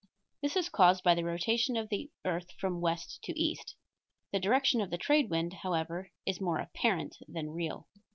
This is caused by the rotation of the earth from west to east. The direction of the trade wind, however, is more apparent than real.